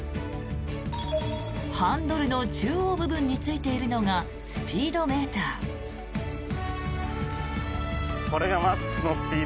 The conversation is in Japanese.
ハンドルの中央部分についているのがスピードメーター。